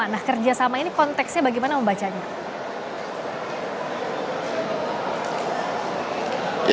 nah kerjasama ini konteksnya bagaimana membacanya